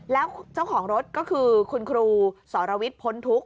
แล้วเจ้าของรถก็คือคุณครูสรวิทย์พ้นทุกข